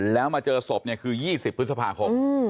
แล้วมาเจอศพคือ๒๐พฤษภาคม